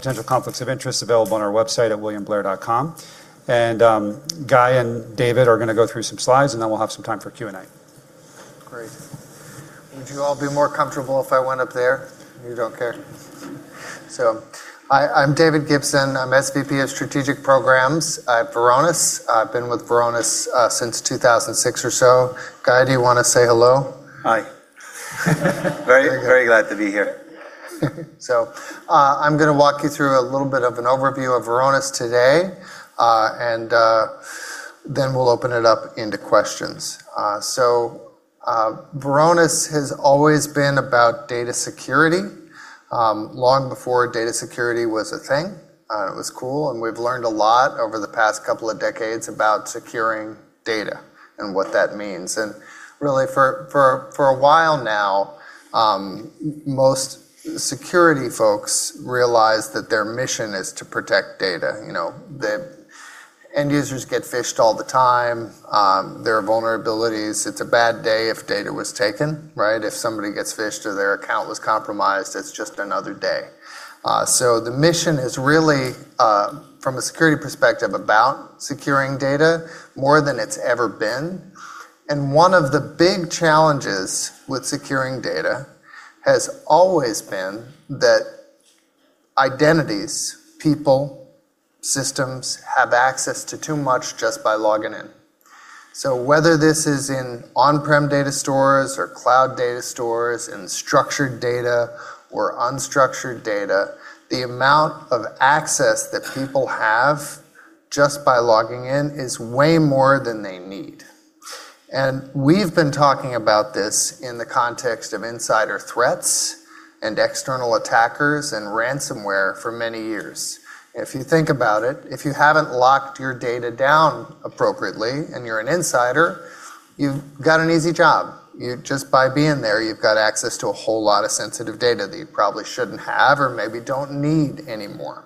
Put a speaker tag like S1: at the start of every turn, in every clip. S1: Potential conflicts of interests available on our website at williamblair.com. Guy and David are going to go through some slides, and then we'll have some time for Q&A.
S2: Great. Would you all be more comfortable if I went up there? You don't care. I'm David Gibson. I'm SVP of Strategic Programs at Varonis. I've been with Varonis since 2006 or so. Guy, do you want to say hello?
S3: Hi. Very glad to be here.
S2: I'm going to walk you through a little bit of an overview of Varonis today, and then we'll open it up into questions. Varonis has always been about data security, long before data security was a thing and it was cool, and we've learned a lot over the past couple of decades about securing data and what that means. Really for a while now, most security folks realize that their mission is to protect data. The end users get phished all the time. There are vulnerabilities. It's a bad day if data was taken, right? If somebody gets phished or their account was compromised, it's just another day. The mission is really, from a security perspective, about securing data more than it's ever been. One of the big challenges with securing data has always been that identities, people, systems, have access to too much just by logging in. Whether this is in on-prem data stores or cloud data stores, in structured data or unstructured data, the amount of access that people have just by logging in is way more than they need. We've been talking about this in the context of insider threats and external attackers and ransomware for many years. If you think about it, if you haven't locked your data down appropriately and you're an insider, you've got an easy job. Just by being there, you've got access to a whole lot of sensitive data that you probably shouldn't have or maybe don't need anymore.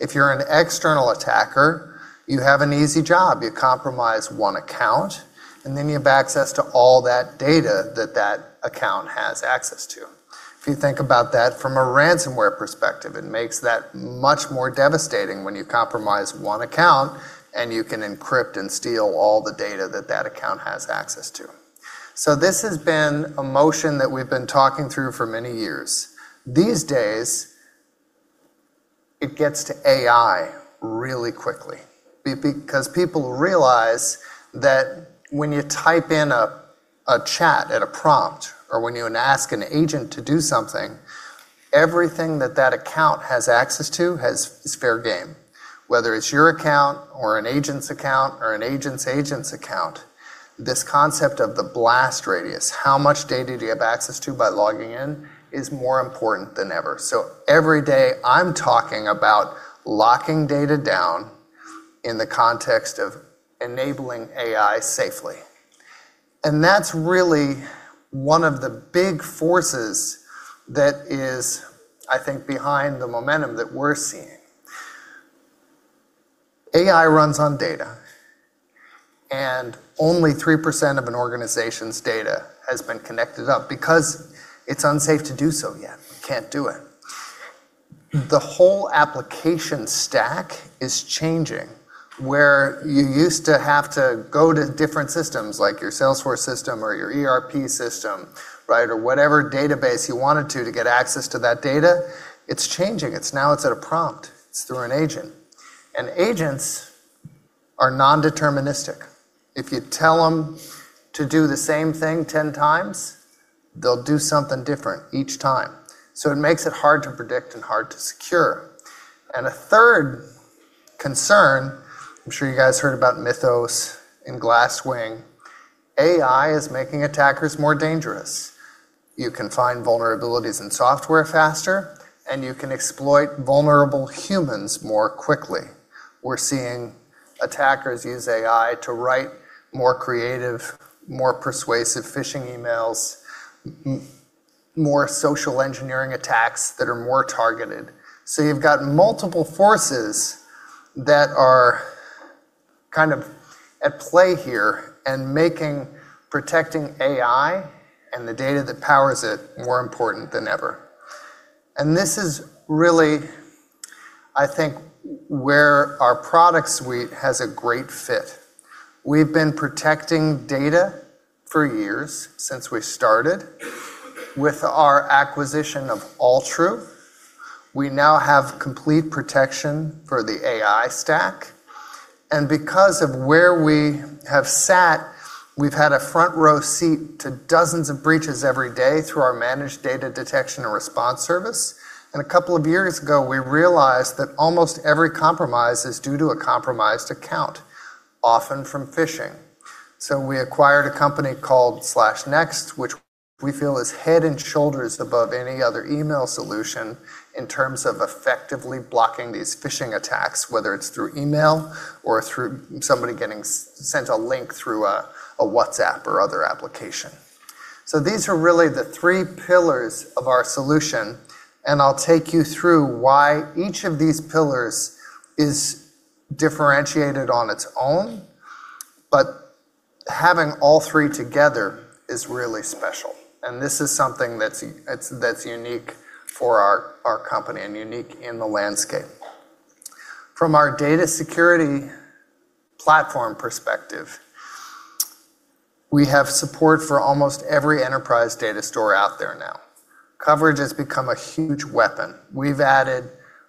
S2: If you're an external attacker, you have an easy job. You compromise one account, and then you have access to all that data that that account has access to. If you think about that from a ransomware perspective, it makes that much more devastating when you compromise one account, and you can encrypt and steal all the data that that account has access to. This has been a motion that we've been talking through for many years. These days, it gets to AI really quickly, because people realize that when you type in a chat at a prompt, or when you ask an agent to do something, everything that that account has access to is fair game. Whether it's your account or an agent's account or an agent's agent's account, this concept of the blast radius, how much data do you have access to by logging in, is more important than ever. Every day, I'm talking about locking data down in the context of enabling AI safely. That's really one of the big forces that is, I think, behind the momentum that we're seeing. AI runs on data, and only 3% of an organization's data has been connected up because it's unsafe to do so yet. You can't do it. The whole application stack is changing. Where you used to have to go to different systems like your Salesforce system or your ERP system, or whatever database you wanted to get access to that data, it's changing. Now it's at a prompt. It's through an agent. Agents are non-deterministic. If you tell them to do the same thing 10 times, they'll do something different each time. It makes it hard to predict and hard to secure. A third concern, I'm sure you guys heard about Mythos and Glasswing, AI is making attackers more dangerous. You can find vulnerabilities in software faster, and you can exploit vulnerable humans more quickly. We're seeing attackers use AI to write more creative, more persuasive phishing emails, more social engineering attacks that are more targeted. You've got multiple forces that are at play here and making protecting AI and the data that powers it more important than ever. This is really, I think, where our product suite has a great fit. We've been protecting data for years, since we started. With our acquisition of AllTrue.ai, we now have complete protection for the AI stack. Because of where we have sat, we've had a front-row seat to dozens of breaches every day through our Managed Data Detection and Response service. A couple of years ago, we realized that almost every compromise is due to a compromised account, often from phishing. We acquired a company called SlashNext, which we feel is head and shoulders above any other email solution in terms of effectively blocking these phishing attacks, whether it's through email or through somebody getting sent a link through a WhatsApp or other application. These are really the three pillars of our solution, and I'll take you through why each of these pillars is differentiated on its own. But having all three together is really special, and this is something that's unique for our company and unique in the landscape. From our Data Security Platform perspective, we have support for almost every enterprise data store out there now. Coverage has become a huge weapon. We've added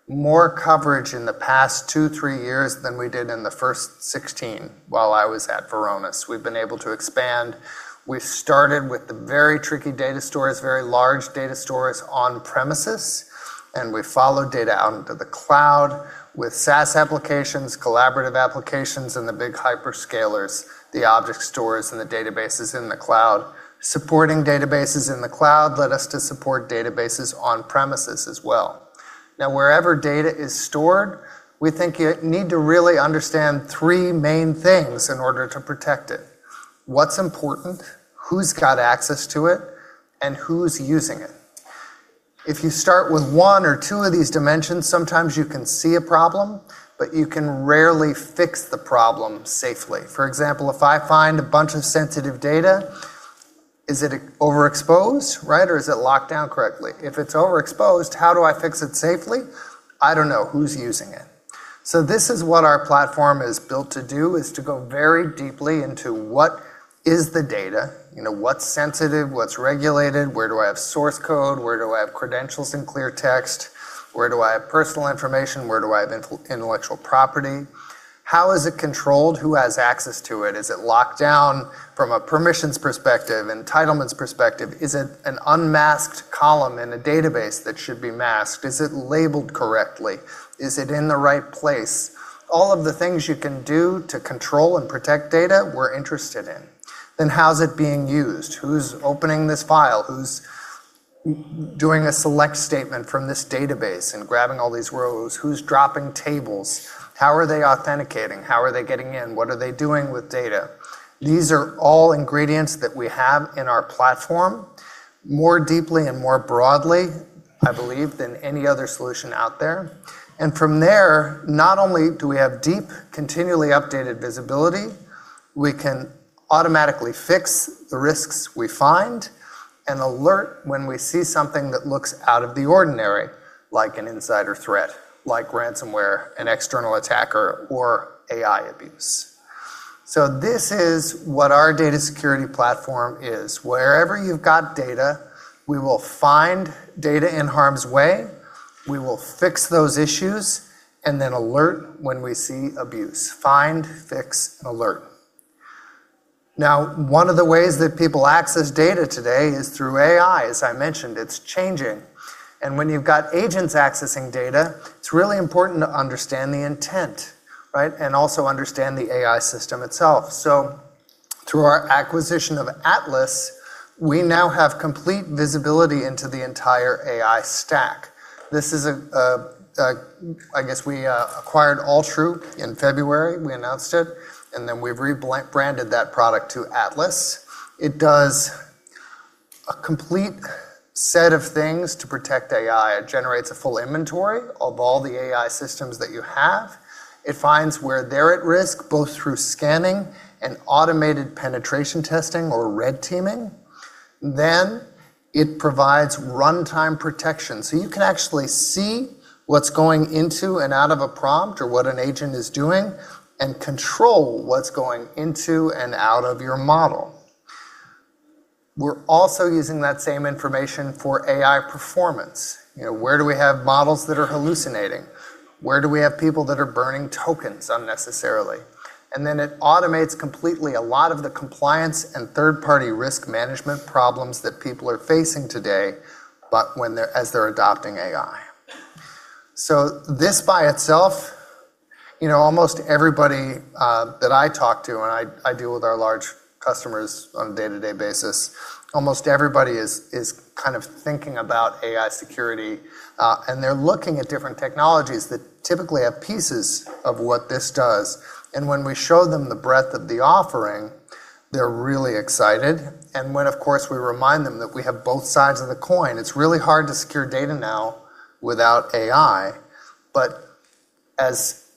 S2: more coverage in the past two, three years than we did in the first 16 while I was at Varonis. We've been able to expand. We started with the very tricky data stores, very large data stores on premises, and we followed data out into the cloud with SaaS applications, collaborative applications in the big hyperscalers, the object stores, and the databases in the cloud. Supporting databases in the cloud led us to support databases on premises as well. Now, wherever data is stored, we think you need to really understand three main things in order to protect it: what's important, who's got access to it, and who's using it. If you start with one or two of these dimensions, sometimes you can see a problem, but you can rarely fix the problem safely. For example, if I find a bunch of sensitive data, is it overexposed, or is it locked down correctly? If it's overexposed, how do I fix it safely? I don't know who's using it. This is what our platform is built to do, is to go very deeply into what is the data, what's sensitive, what's regulated, where do I have source code, where do I have credentials in clear text, where do I have personal information, where do I have intellectual property? How is it controlled? Who has access to it? Is it locked down from a permissions perspective, entitlements perspective? Is it an unmasked column in a database that should be masked? Is it labeled correctly? Is it in the right place? All of the things you can do to control and protect data, we're interested in. How's it being used? Who's opening this file? Who's doing a select statement from this database and grabbing all these rows? Who's dropping tables? How are they authenticating? How are they getting in? What are they doing with data? These are all ingredients that we have in our platform more deeply and more broadly, I believe, than any other solution out there. From there, not only do we have deep, continually updated visibility, we can automatically fix the risks we find and alert when we see something that looks out of the ordinary, like an insider threat, like ransomware, an external attacker, or AI abuse. This is what our Data Security Platform is. Wherever you've got data, we will find data in harm's way, we will fix those issues, and then alert when we see abuse. Find, fix, alert. One of the ways that people access data today is through AI. As I mentioned, it's changing. When you've got agents accessing data, it's really important to understand the intent. Also understand the AI system itself. Through our acquisition of Atlas, we now have complete visibility into the entire AI stack. I guess we acquired AllTrue.ai in February. We announced it, then we've rebranded that product to Atlas. It does a complete set of things to protect AI. It generates a full inventory of all the AI systems that you have. It finds where they're at risk, both through scanning and automated penetration testing or red teaming. It provides runtime protection, so you can actually see what's going into and out of a prompt or what an agent is doing, and control what's going into and out of your model. We're also using that same information for AI performance. Where do we have models that are hallucinating? Where do we have people that are burning tokens unnecessarily? Then it automates completely a lot of the compliance and third-party risk management problems that people are facing today, but as they're adopting AI. This by itself, almost everybody that I talk to, and I deal with our large customers on a day-to-day basis, almost everybody is kind of thinking about AI security, and they're looking at different technologies that typically have pieces of what this does. When we show them the breadth of the offering, they're really excited. When, of course, we remind them that we have both sides of the coin. It's really hard to secure data now without AI, but as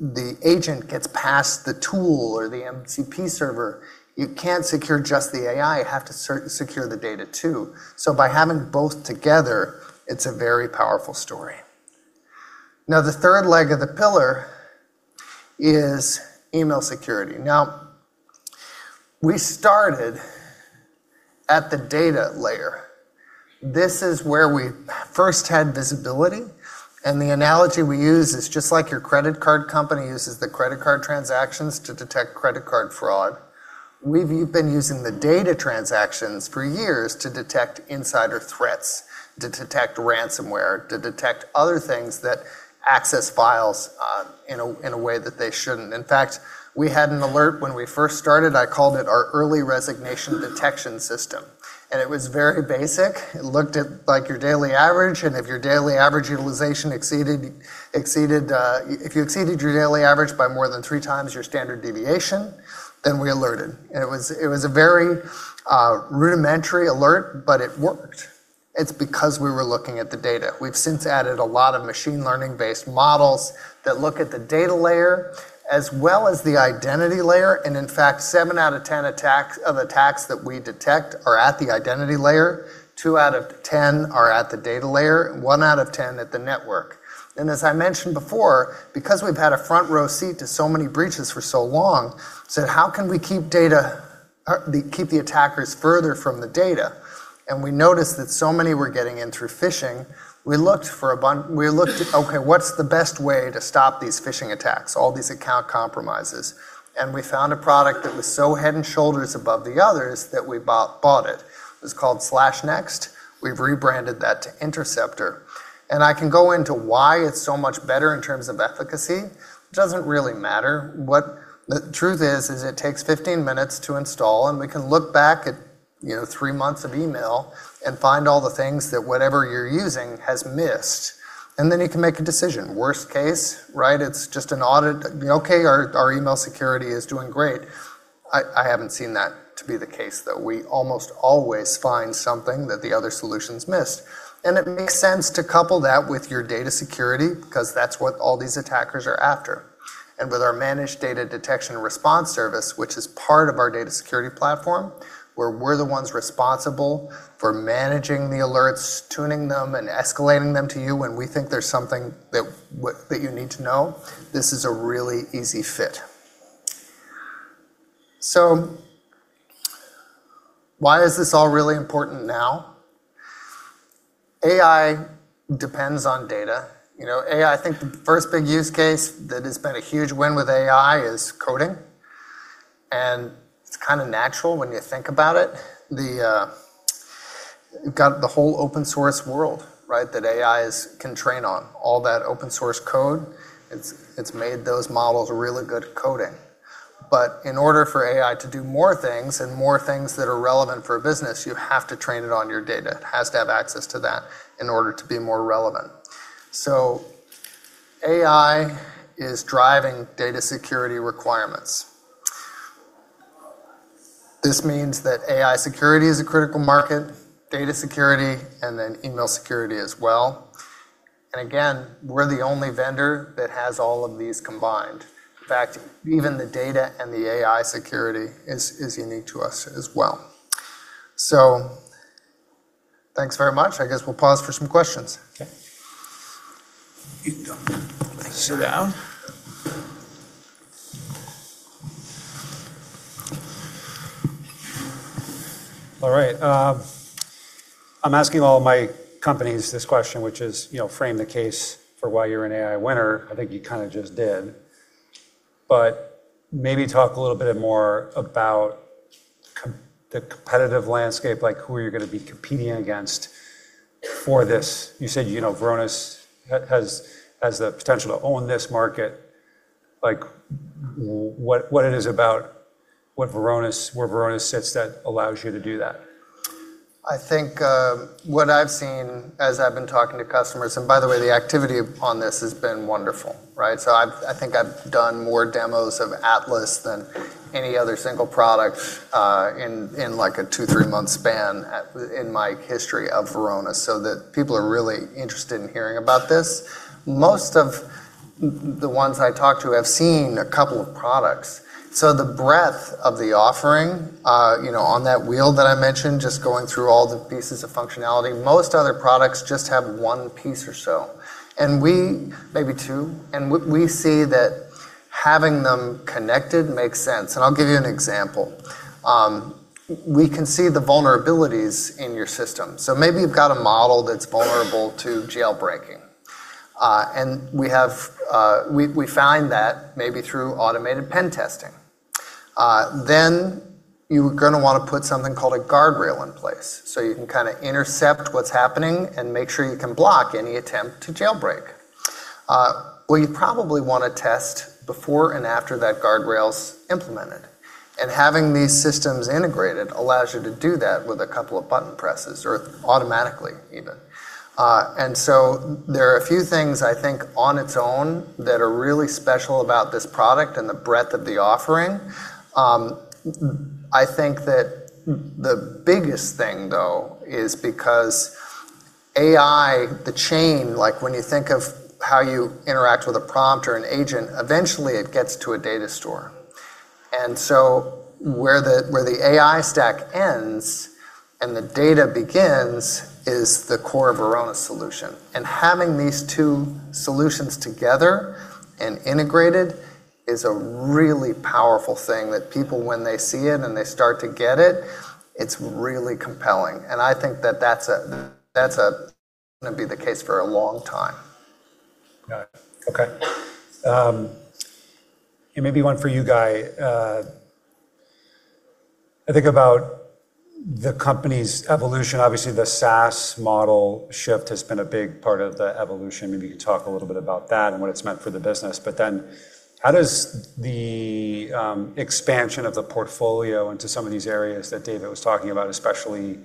S2: the agent gets past the tool or the MCP server, you can't secure just the AI. You have to secure the data, too. By having both together, it's a very powerful story. The third leg of the pillar is email security. We started at the data layer. This is where we first had visibility, and the analogy we use is just like your credit card company uses the credit card transactions to detect credit card fraud. We've been using the data transactions for years to detect insider threats, to detect ransomware, to detect other things that access files in a way that they shouldn't. In fact, we had an alert when we first started. I called it our early resignation detection system. It was very basic. It looked at your daily average. If you exceeded your daily average by more than three times your standard deviation, then we alerted. It was a very rudimentary alert, but it worked. It's because we were looking at the data. We've since added a lot of machine learning-based models that look at the data layer as well as the identity layer, and in fact, 7 out of 10 attacks that we detect are at the identity layer, 2 out of 10 are at the data layer, and 1 out of 10 at the network. As I mentioned before, because we've had a front row seat to so many breaches for so long, said, "How can we keep the attackers further from the data?" We noticed that so many were getting in through phishing. We looked for, okay, what's the best way to stop these phishing attacks, all these account compromises? We found a product that was so head and shoulders above the others that we bought it. It was called SlashNext. We've rebranded that to Interceptor. I can go into why it's so much better in terms of efficacy. It doesn't really matter. What the truth is it takes 15 minutes to install, and we can look back at three months of email and find all the things that whatever you're using has missed, and then you can make a decision. Worst case, right, it's just an audit. Okay, our email security is doing great. I haven't seen that to be the case, though. We almost always find something that the other solutions missed. It makes sense to couple that with your data security because that's what all these attackers are after. With our Managed Data Detection and Response service, which is part of our Data Security Platform, where we're the ones responsible for managing the alerts, tuning them, and escalating them to you when we think there's something that you need to know, this is a really easy fit. Why is this all really important now? AI depends on data. AI, I think the first big use case that has been a huge win with AI is coding, and it's kind of natural when you think about it. You've got the whole open-source world, right? That AI can train on all that open-source code. It's made those models really good at coding. In order for AI to do more things and more things that are relevant for a business, you have to train it on your data. It has to have access to that in order to be more relevant. AI is driving data security requirements. This means that AI security is a critical market, data security, and then email security as well. Again, we're the only vendor that has all of these combined. In fact, even the data and the AI security is unique to us as well. Thanks very much. I guess we'll pause for some questions.
S1: Okay. You can sit down. All right. I'm asking all of my companies this question, which is, frame the case for why you're an AI winner. I think you kind of just did. Maybe talk a little bit more about the competitive landscape, like who you're going to be competing against for this. You said Varonis has the potential to own this market, like what it is about where Varonis sits that allows you to do that?
S2: I think what I've seen as I've been talking to customers, and by the way, the activity on this has been wonderful, right? I think I've done more demos of Atlas than any other single product in a two, three-month span in my history of Varonis, so that people are really interested in hearing about this. Most of the ones I talk to have seen a couple of products. The breadth of the offering on that wheel that I mentioned, just going through all the pieces of functionality, most other products just have one piece or so, maybe two, and we see that having them connected makes sense. I'll give you an example. We can see the vulnerabilities in your system. Maybe you've got a model that's vulnerable to jailbreaking. We find that maybe through automated pen testing. You're going to want to put something called a guardrail in place, so you can kind of intercept what's happening and make sure you can block any attempt to jailbreak. You probably want to test before and after that guardrail's implemented, and having these systems integrated allows you to do that with a couple of button presses, or automatically even. There are a few things I think on its own that are really special about this product and the breadth of the offering. I think that the biggest thing, though, is because AI, the chain, like when you think of how you interact with a prompt or an agent, eventually it gets to a data store. Where the AI stack ends and the data begins is the core of Varonis' solution. Having these two solutions together and integrated is a really powerful thing that people, when they see it and they start to get it's really compelling. I think that that's going to be the case for a long time.
S1: Got it. Okay. Maybe one for you, Guy. I think about the company's evolution. Obviously, the SaaS model shift has been a big part of the evolution. Maybe you could talk a little bit about that and what it's meant for the business. How does the expansion of the portfolio into some of these areas that David was talking about, especially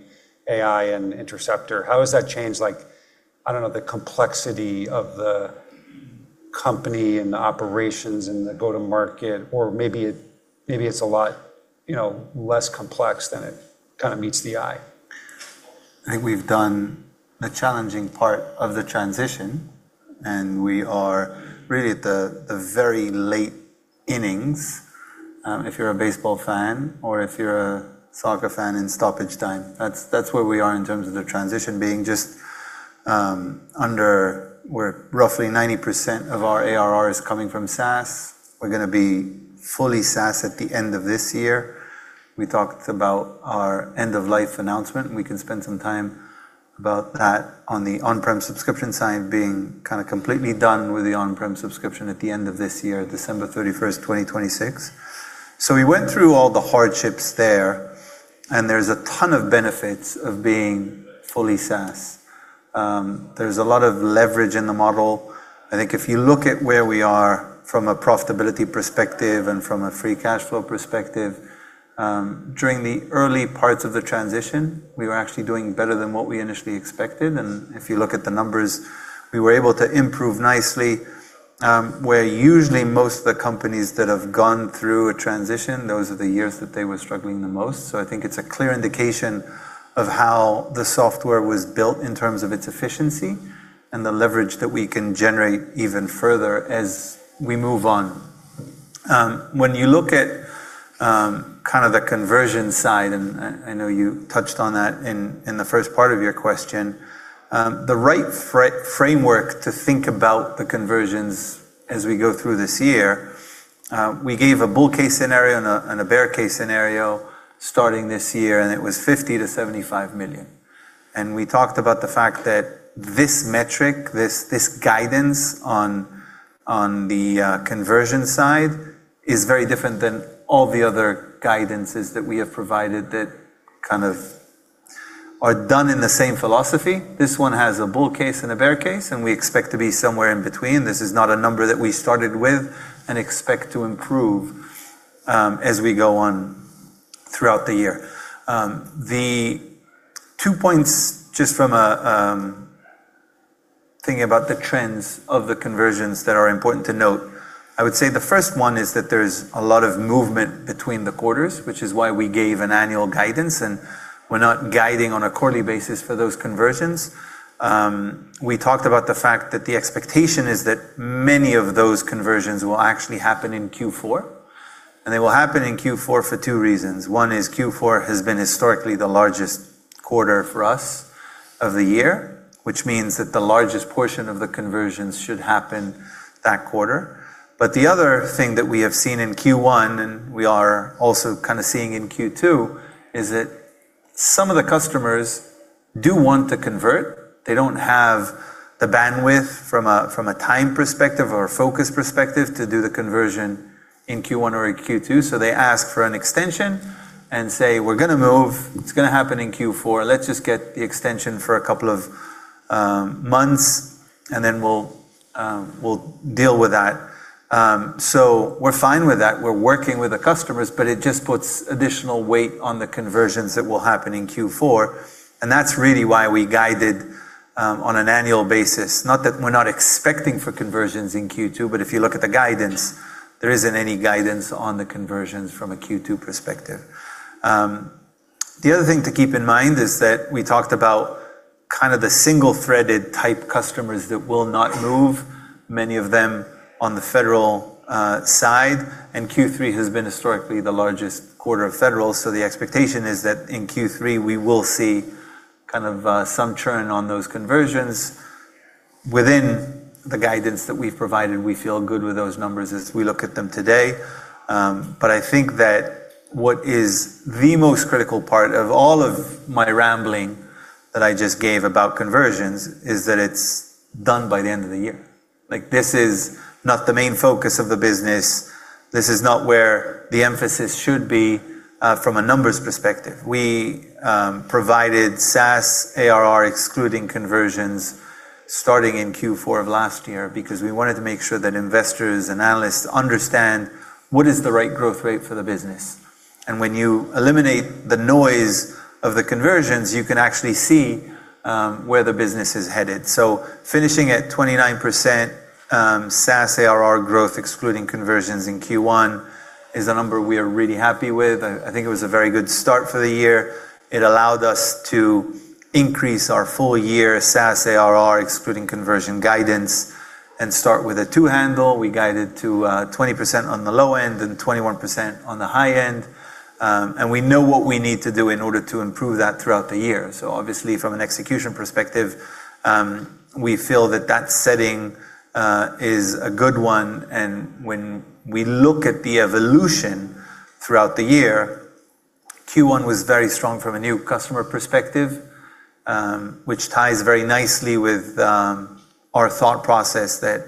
S1: AI and Interceptor, how has that changed, I don't know, the complexity of the company and the operations and the go-to-market, or maybe it's a lot less complex than it meets the eye?
S3: I think we've done the challenging part of the transition, and we are really at the very late innings, if you're a baseball fan, or if you're a soccer fan, in stoppage time. That's where we are in terms of the transition, being just under where roughly 90% of our ARR is coming from SaaS. We're going to be fully SaaS at the end of this year. We talked about our end-of-life announcement, and we can spend some time about that on the on-prem subscription side being completely done with the on-prem subscription at the end of this year, December 31st, 2026. We went through all the hardships there, and there's a ton of benefits of being fully SaaS. There's a lot of leverage in the model I think if you look at where we are from a profitability perspective and from a free cash flow perspective, during the early parts of the transition, we were actually doing better than what we initially expected. If you look at the numbers, we were able to improve nicely, where usually most of the companies that have gone through a transition, those are the years that they were struggling the most. I think it's a clear indication of how the software was built in terms of its efficiency and the leverage that we can generate even further as we move on. When you look at the conversion side, and I know you touched on that in the first part of your question, the right framework to think about the conversions as we go through this year, we gave a bull case scenario and a bear case scenario starting this year, and it was $50 million-$75 million. We talked about the fact that this metric, this guidance on the conversion side, is very different than all the other guidances that we have provided that are done in the same philosophy. This one has a bull case and a bear case, and we expect to be somewhere in between. This is not a number that we started with and expect to improve as we go on throughout the year. The two points, just from thinking about the trends of the conversions that are important to note, I would say the first one is that there's a lot of movement between the quarters, which is why we gave an annual guidance. We're not guiding on a quarterly basis for those conversions. We talked about the fact that the expectation is that many of those conversions will actually happen in Q4. They will happen in Q4 for two reasons. One is Q4 has been historically the largest quarter for us of the year, which means that the largest portion of the conversions should happen that quarter. The other thing that we have seen in Q1, we are also seeing in Q2, is that some of the customers do want to convert. They don't have the bandwidth from a time perspective or a focus perspective to do the conversion in Q1 or Q2. They ask for an extension and say, "We're going to move. It's going to happen in Q4. Let's just get the extension for a couple of months, and then we'll deal with that." We're fine with that. We're working with the customers, but it just puts additional weight on the conversions that will happen in Q4, and that's really why we guided on an annual basis. Not that we're not expecting for conversions in Q2, but if you look at the guidance, there isn't any guidance on the conversions from a Q2 perspective. The other thing to keep in mind is that we talked about the single-threaded type customers that will not move, many of them on the federal side. Q3 has been historically the largest quarter of federal, so the expectation is that in Q3, we will see some churn on those conversions. Within the guidance that we've provided, we feel good with those numbers as we look at them today. I think that what is the most critical part of all of my rambling that I just gave about conversions is that it's done by the end of the year. This is not the main focus of the business. This is not where the emphasis should be from a numbers perspective. We provided SaaS ARR excluding conversions starting in Q4 of last year because we wanted to make sure that investors and analysts understand what is the right growth rate for the business. When you eliminate the noise of the conversions, you can actually see where the business is headed. Finishing at 29% SaaS ARR growth excluding conversions in Q1 is a number we are really happy with. I think it was a very good start for the year. It allowed us to increase our full-year SaaS ARR excluding conversion guidance and start with a two handle. We guided to 20% on the low end and 21% on the high end. We know what we need to do in order to improve that throughout the year. Obviously, from an execution perspective, we feel that that setting is a good one. When we look at the evolution throughout the year, Q1 was very strong from a new customer perspective, which ties very nicely with our thought process that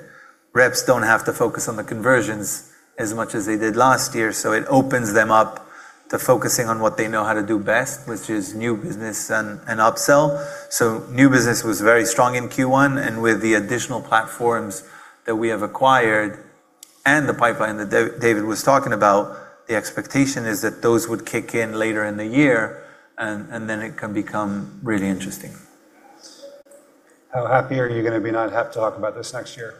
S3: reps don't have to focus on the conversions as much as they did last year. It opens them up to focusing on what they know how to do best, which is new business and upsell. New business was very strong in Q1, and with the additional platforms that we have acquired and the pipeline that David was talking about, the expectation is that those would kick in later in the year, and then it can become really interesting.
S1: How happy are you going to be not have to talk about this next year?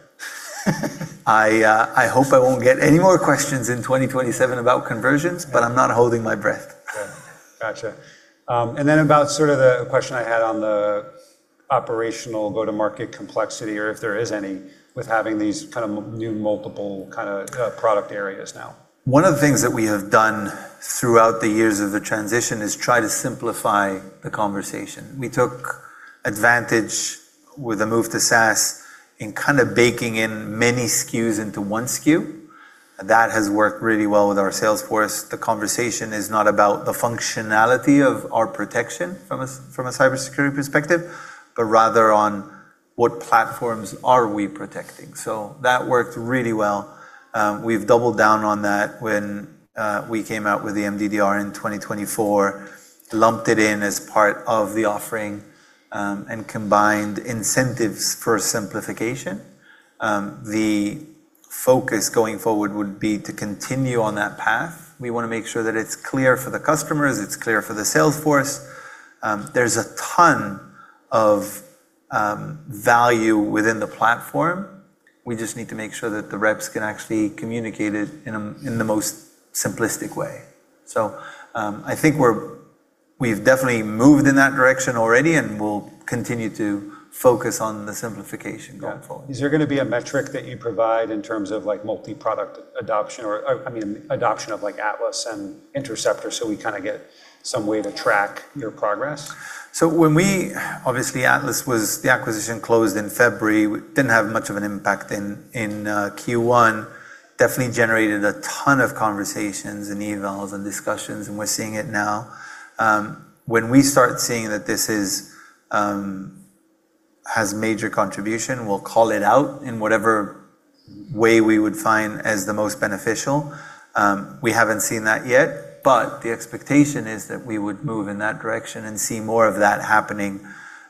S3: I hope I won't get any more questions in 2027 about conversions, but I'm not holding my breath.
S1: Okay. Got you. About the question I had on the operational go-to-market complexity or if there is any with having these kind of new multiple product areas now.
S3: One of the things that we have done throughout the years of the transition is try to simplify the conversation. We took advantage with the move to SaaS in kind of baking in many SKUs into one SKU. That has worked really well with our sales force. The conversation is not about the functionality of our protection from a cybersecurity perspective, but rather on what platforms are we protecting. That worked really well. We've doubled down on that when we came out with the MDDR in 2024, lumped it in as part of the offering, and combined incentives for simplification. The focus going forward would be to continue on that path. We want to make sure that it's clear for the customers, it's clear for the sales force. There's a ton of value within the platform. We just need to make sure that the reps can actually communicate it in the most simplistic way. I think we've definitely moved in that direction already, and we'll continue to focus on the simplification going forward.
S1: Yeah. Is there going to be a metric that you provide in terms of multi-product adoption or, I mean, adoption of Atlas and Interceptor so we kind of get some way to track your progress?
S3: Obviously, Atlas was the acquisition closed in February. We didn't have much of an impact in Q1. Definitely generated a ton of conversations and emails and discussions, and we're seeing it now. When we start seeing that this has major contribution, we'll call it out in whatever way we would find as the most beneficial. We haven't seen that yet, but the expectation is that we would move in that direction and see more of that happening.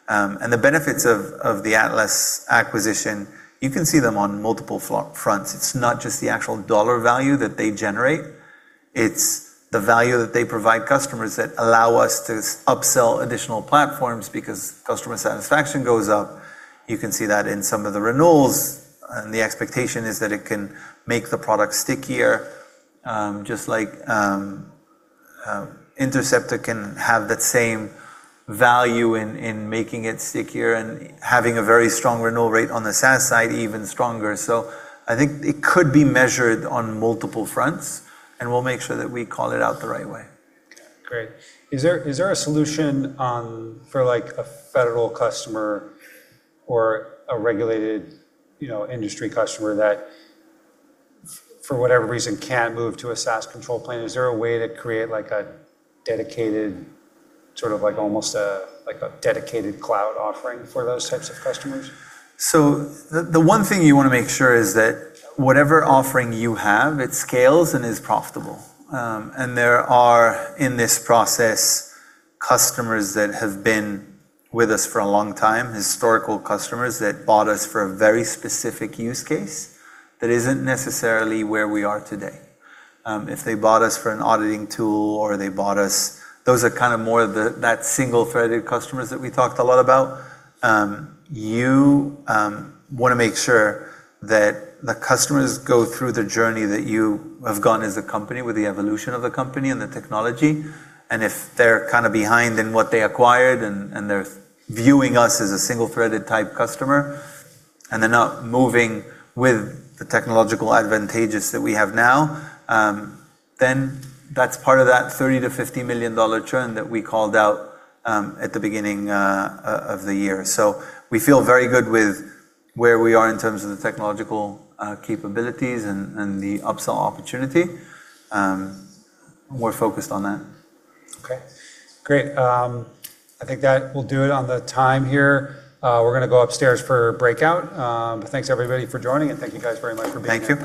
S3: The benefits of the Atlas acquisition, you can see them on multiple fronts. It's not just the actual dollar value that they generate, it's the value that they provide customers that allow us to upsell additional platforms because customer satisfaction goes up. You can see that in some of the renewals, and the expectation is that it can make the product stickier. Just like Interceptor can have that same value in making it stickier and having a very strong renewal rate on the SaaS side, even stronger. I think it could be measured on multiple fronts, and we'll make sure that we call it out the right way.
S1: Okay, great. Is there a solution for a federal customer or a regulated industry customer that, for whatever reason, can't move to a SaaS control plane? Is there a way to create a dedicated cloud offering for those types of customers?
S3: The one thing you want to make sure is that whatever offering you have, it scales and is profitable. There are, in this process, customers that have been with us for a long time, historical customers that bought us for a very specific use case that isn't necessarily where we are today. If they bought us for an auditing tool, or they bought us, those are kind of more that single-threaded customers that we talked a lot about. You want to make sure that the customers go through the journey that you have gone as a company with the evolution of the company and the technology. If they're kind of behind in what they acquired, and they're viewing us as a single-threaded type customer, and they're not moving with the technological advantages that we have now, then that's part of that $30 million-$50 million churn that we called out at the beginning of the year. We feel very good with where we are in terms of the technological capabilities and the upsell opportunity. We're focused on that.
S1: Okay, great. I think that will do it on the time here. We're going to go upstairs for a breakout. Thanks everybody for joining, and thank you guys very much for being here.